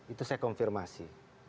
itu saya konfirmasi